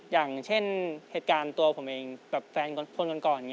อย่างเช่นเหตุการณ์ตัวผมเองแบบแฟนคนก่อน